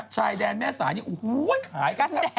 ชายแดนแม่สาย